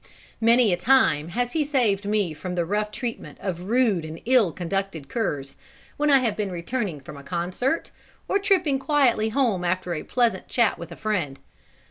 Many a time has he saved me from the rough treatment of rude and ill conducted curs, when I have been returning from a concert, or tripping quietly home after a pleasant chat with a friend.